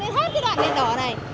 hết cái đoạn nền đỏ này